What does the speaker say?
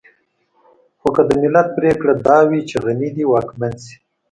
خو که د ملت پرېکړه دا وي چې غني دې واکمن شي.